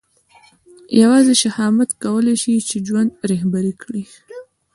یوازې شهامت کولای شي چې ژوند رهبري کړي.